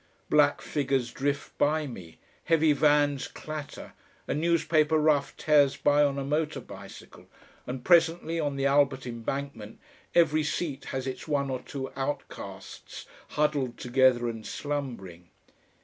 Black figures drift by me, heavy vans clatter, a newspaper rough tears by on a motor bicycle, and presently, on the Albert Embankment, every seat has its one or two outcasts huddled together and slumbering.